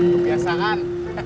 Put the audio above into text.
bukit biasa kan